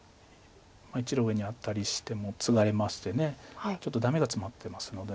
１路上にアタリしてもツガれましてちょっとダメがツマってますので。